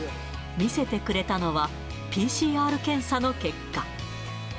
見せてくれたのは、ＰＣＲ検査の結果。